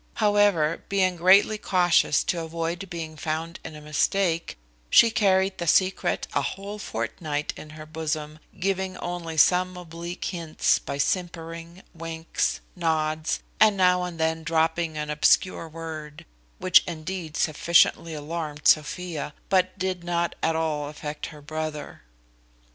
However, being greatly cautious to avoid being found in a mistake, she carried the secret a whole fortnight in her bosom, giving only some oblique hints, by simpering, winks, nods, and now and then dropping an obscure word, which indeed sufficiently alarmed Sophia, but did not at all affect her brother.